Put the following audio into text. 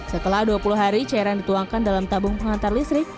setelah dua puluh hari cairan dituangkan dalam tabung pengantar listrik